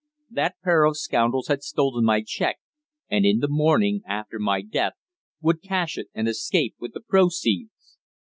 That pair of scoundrels had stolen my cheque, and in the morning, after my death, would cash it and escape with the proceeds!